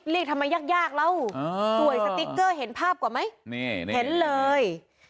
ทำไมยากยากแล้วสวยสติ๊กเกอร์เห็นภาพกว่าไหมนี่เห็นเลย